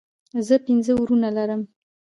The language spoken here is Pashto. زه پنځه وروڼه لرم